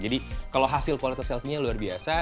jadi kalau hasil kualitas selfie nya luar biasa